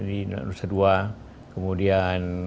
di nusa dua kemudian